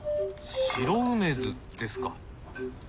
白梅酢ですか？